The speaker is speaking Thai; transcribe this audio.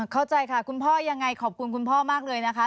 เข้าใจค่ะคุณพ่อยังไงขอบคุณคุณพ่อมากเลยนะคะ